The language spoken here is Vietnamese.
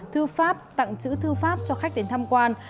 thư pháp tặng chữ thư pháp cho khách đến tham quan